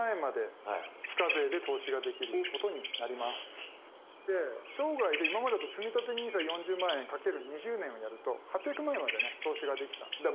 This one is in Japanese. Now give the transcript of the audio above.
え⁉チャーンス！で生涯で今までだとつみたてＮＩＳＡ４０万円×２０年をやると８００万円までね投資ができたんですけど。